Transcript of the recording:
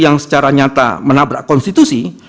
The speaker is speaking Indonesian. yang secara nyata menabrak konstitusi